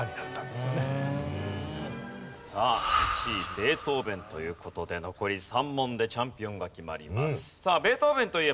さあ１位ベートーヴェンという事で残り３問でチャンピオンが決まります。